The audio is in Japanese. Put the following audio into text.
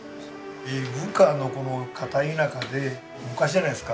伊深の片田舎で昔じゃないですか。